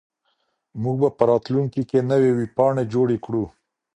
موږ به په راتلونکي کې نوې ویبپاڼې جوړې کړو.